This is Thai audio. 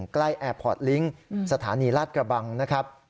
ใกล้แอปพอร์ตลิงค์สถานีราชกระบังนะครับ